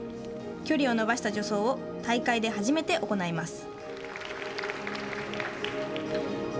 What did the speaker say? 距離を伸ばした助走を大会で初めて行います。